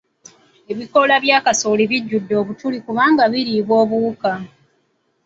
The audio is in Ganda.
Ebikoola bya kasooli bijjudde ebituli kubanga biriibwa obuwuka.